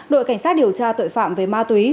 đội cảnh sát điều tra tội phạm về ma túy